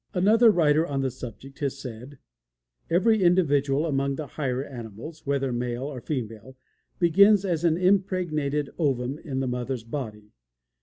Another writer on the subject has said: "Every individual among the higher animals, whether male or female, begins as an impregnated ovum in the mother's body.